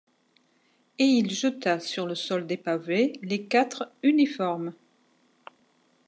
Et il jeta sur le sol dépavé les quatre uniformes.